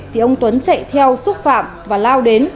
thì ông tuấn chạy theo xúc phạm và lao đến